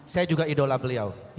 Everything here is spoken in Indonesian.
saya juga idola beliau